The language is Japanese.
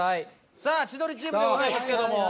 さあ千鳥チームでございますけども。